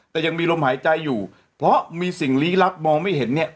แต่ยังมีลมหายใจอยู่เพราะมีสิ่งลี้ลับมองไม่เห็นเนี่ย